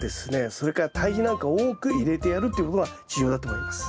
それから堆肥なんかを多く入れてやるっていうことが重要だと思います。